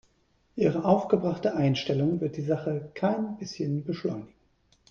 Ihre aufgebrachte Einstellung wird die Sache kein bisschen beschleunigen.